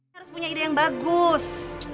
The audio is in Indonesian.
harus punya ide yang bagus